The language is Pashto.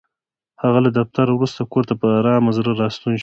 هغه له دفتره وروسته کور ته په ارامه زړه راستون شو.